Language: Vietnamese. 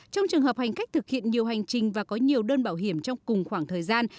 trong trường hợp hành khách thực hiện nhiều hành trình và có nhiều đơn bảo hiểm trong cùng khoảng thời gian